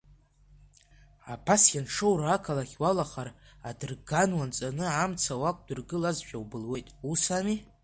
Абас ианшоуроу ақалақь уалахар адырган уанҵаны амца уақәдыргылазшәа убылуеит, ус ами?